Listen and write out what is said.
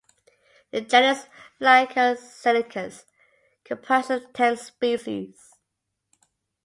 The genus "Lankascincus" comprises ten species.